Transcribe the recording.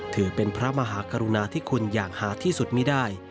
ถือเป็นพระมหากรุณาที่คุณอย่างหาที่สุดไม่ได้